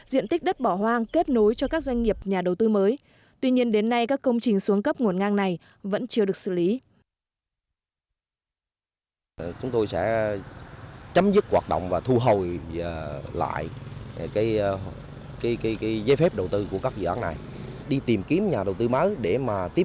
diện tích đất bỏ hoang kết nối cho các doanh nghiệp nhà đầu tư mới